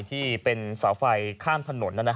ที่เป็นเสาไฟข้ามถนน